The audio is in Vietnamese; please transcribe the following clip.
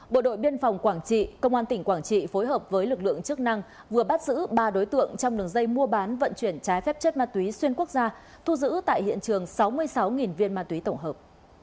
bộ đội biên phòng quảng trị công an tỉnh quảng trị phối hợp với lực lượng chức năng vừa bắt giữ ba đối tượng trong đường dây mua bán vận chuyển trái phép chất ma túy xuyên quốc gia thu giữ tại hiện trường sáu mươi sáu viên ma túy tổng hợp